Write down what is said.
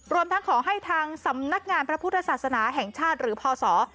รวมทั้งขอให้ทางสำนักงานพระพุทธศาสนาแห่งชาติหรือพศ